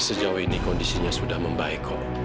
sejauh ini kondisinya sudah membaik kok